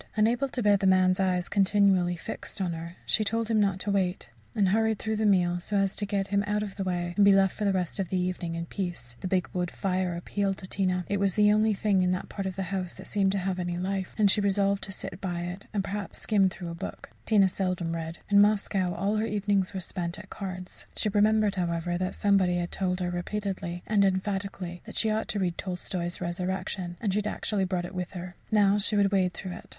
Unable to bear the man's eyes continually fixed on her, she told him not to wait, and hurried through the meal so as to get him out of the way, and be left for the rest of the evening in peace. The big wood fire appealed to Tina it was the only thing in that part of the house that seemed to have any life and she resolved to sit by it, and, perhaps, skim through a book. Tina seldom read in Moscow, all her evenings were spent at cards. She remembered, however, that somebody had told her repeatedly, and emphatically, that she ought to read Tolstoy's "Resurrection," and she had actually brought it with her. Now she would wade through it.